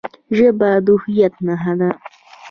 ژبه د هویت نښه ده.